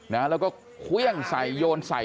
ดูก้อนนี้